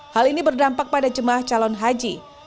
hal ini berdampak pada jemaah calon haji